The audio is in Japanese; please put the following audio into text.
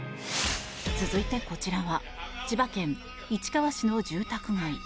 続いて、こちらは千葉県市川市の住宅街。